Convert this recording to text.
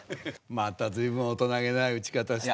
また随分大人げない打ち方して。